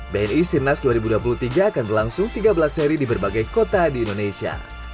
bni sirnas dua ribu dua puluh tiga akan berlangsung tiga belas seri di berbagai kota di indonesia